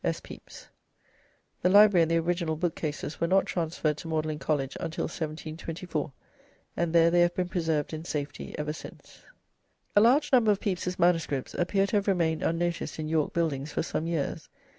"S. PEPYS." The library and the original book cases were not transferred to Magdalene College until 1724, and there they have been preserved in safety ever since. A large number of Pepys's manuscripts appear to have remained unnoticed in York Buildings for some years.